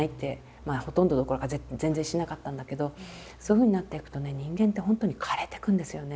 まあほとんどどころか全然しなかったんだけどそういうふうになっていくとね人間って本当に枯れてくんですよね。